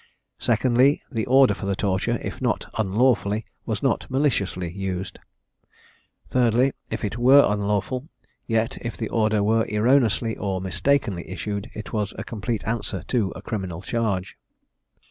Secondly, The order for the torture, if not unlawfully, was not maliciously issued. Thirdly, If it were unlawful, yet, if the order were erroneously or mistakenly issued, it was a complete answer to a criminal charge.